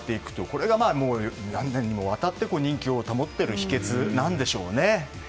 これが何年にもわたって人気を保っている秘訣でしょうね。